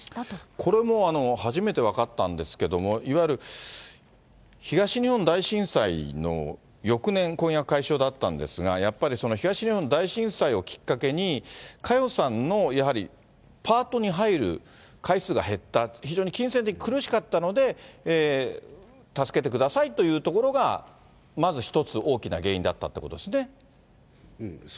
これも初めて分かったんですけども、いわゆる東日本大震災の翌年、婚約解消だったんですが、やっぱり東日本大震災をきっかけに、佳代さんのやはりパートに入る回数が減った、非常に金銭的に苦しかったので、助けてくださいというところがまず一つ大きな原因だったっていうそうですね。